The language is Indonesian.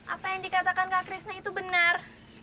apa yang dikatakan kak krisna itu benar